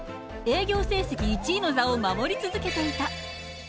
営業成績１位の座を守り続けていた。